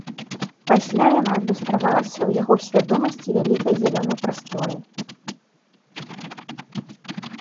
Пасля яна адлюстравалася ў яго свядомасці вялікай зялёнай прасторай.